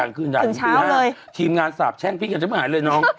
ถึงทีมงานสาปแช่งพี่กันเซ้นบ้าหายเลยน้อง